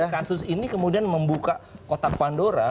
nah ini kasus ini kemudian membuka kotak pandora